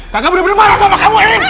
kakak bener bener marah sama kamu erin